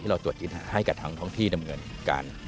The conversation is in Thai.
ที่เราตรวจยืนให้กับทั้งทั้งที่ดำเนินกัน